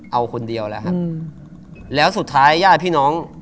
เอาคนเดียวแล้วครับแล้วสุดท้ายญาติพี่น้อง